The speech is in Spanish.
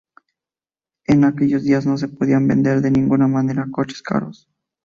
En aquellos días no se podían vender de ninguna manera coches caros.